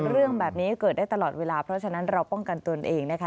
เรื่องแบบนี้เกิดได้ตลอดเวลาเพราะฉะนั้นเราป้องกันตนเองนะคะ